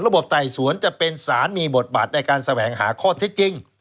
ไต่สวนจะเป็นสารมีบทบาทในการแสวงหาข้อเท็จจริง